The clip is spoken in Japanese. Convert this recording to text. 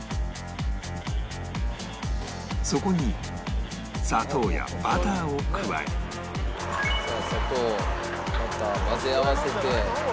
そこに砂糖やバターを加えさあ砂糖バター混ぜ合わせて。